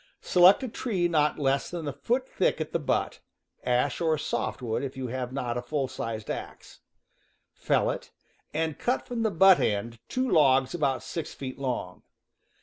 Select a tree not less than a foot thick at the butt (ash or soft wood if you have not a full sized axe). Fell it, and cut from the butt end two logs about six feet long.